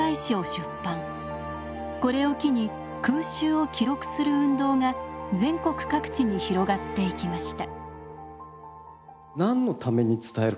これを機に空襲を記録する運動が全国各地に広がっていきました。